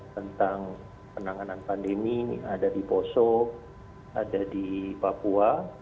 tentang penanganan pandemi ada di poso ada di papua